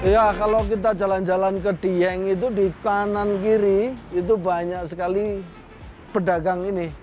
ya kalau kita jalan jalan ke dieng itu di kanan kiri itu banyak sekali pedagang ini